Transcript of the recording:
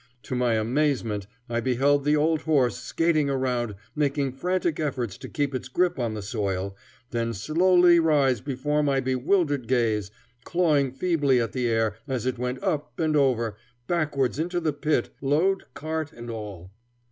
To my amazement, I beheld the old horse skating around, making frantic efforts to keep its grip on the soil, then slowly rise before my bewildered gaze, clawing feebly at the air as it went up and over, backwards into the pit, load, cart and all.